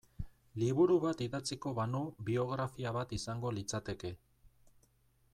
Liburu bat idatziko banu biografia bat izango litzateke.